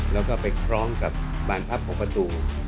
แล้วก็ไปคล้องกับบ้านพักของประตู